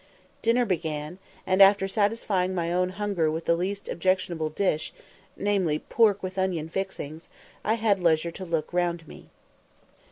Dinner began, and after satisfying my own hunger with the least objectionable dish, namely "pork with onion fixings," I had leisure to look round me.